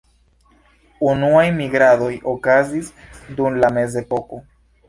Unuaj migradoj okazis dum la Mezepoko.